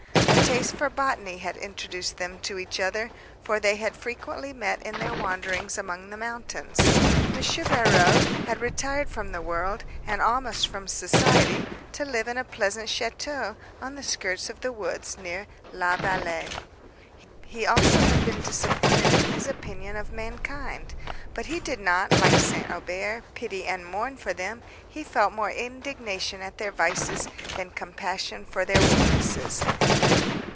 A taste for botany had introduced them to each other, for they had frequently met in their wanderings among the mountains. M. Barreaux had retired from the world, and almost from society, to live in a pleasant château, on the skirts of the woods, near La Vallée. He also had been disappointed in his opinion of mankind; but he did not, like St. Aubert, pity and mourn for them; he felt more indignation at their vices, than compassion for their weaknesses.